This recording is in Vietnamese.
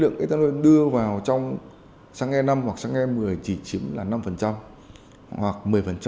lượng ethanol đưa vào trong sáng năm hoặc sáng nghe một mươi chỉ chiếm là năm hoặc một mươi